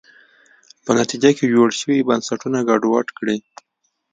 په نتیجه کې جوړ شوي بنسټونه ګډوډ کړي.